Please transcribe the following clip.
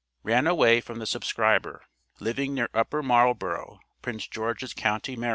Ran away from the subscriber, living near Upper Marlboro', Prince George's county, Md.